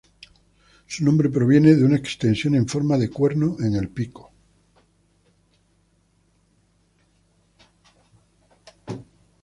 Su nombre proviene de una extensión en forma de cuerno en el pico.